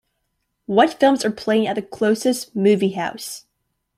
What films are playing at the closest movie house